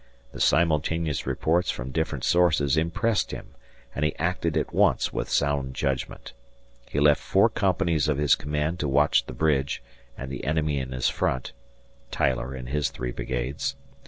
The simultaneous reports from different sources impressed him, and he acted at once with sound judgment. He left four companies of his command to watch the bridge and the enemy in his front Tyler and his three brigades.